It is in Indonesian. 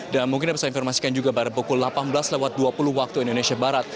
dan mungkin bisa diinformasikan juga pada pukul delapan belas lewat dua puluh waktu indonesia barat